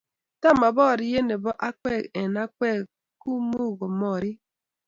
nta ma boriet nebo akwek eng akwek ko mu ku mokoriik